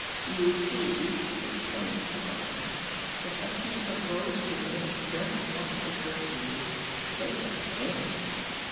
"You see," explained the Gardener, "the subjects of Rose Kingdom don't want a girl Ruler. They want a King."